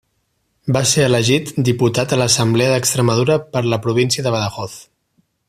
Va ser elegit diputat a l'Assemblea d'Extremadura per la província de Badajoz.